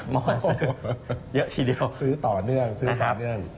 เมื่อวานซื้อเยอะทีเดียวซื้อต่อเนื่องซื้อต่อเนื่องนะครับ